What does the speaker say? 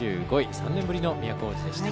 ３年ぶりの都大路でした。